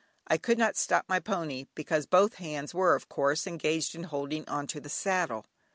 I could not stop my pony, because both hands were, of course, engaged in holding on to the saddle.